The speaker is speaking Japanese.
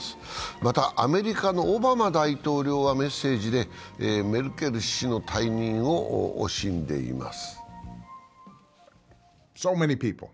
また、アメリカのオバマ元大統領はメッセージでメルケル氏の退任を惜しんでいます。